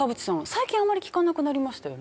最近あんまり聞かなくなりましたよね。